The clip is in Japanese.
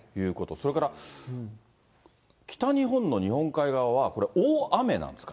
それから、北日本の日本海側はこれ、大雨なんですか？